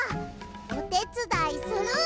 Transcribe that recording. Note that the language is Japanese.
おてつだいする。